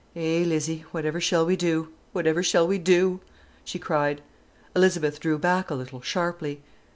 "Eh, Lizzie, whatever shall we do, whatever shall we do!" she cried. Elizabeth drew back a little, sharply.